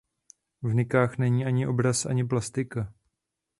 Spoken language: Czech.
V nikách není ani obraz ani plastika.